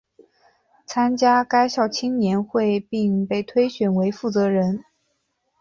参加该校青年会并被推选为负责人。